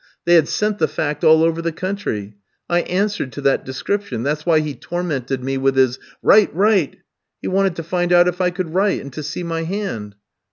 They had sent the fact all over the country. I answered to that description; that's why he tormented me with his 'Write, write!' He wanted to find out if I could write, and to see my hand.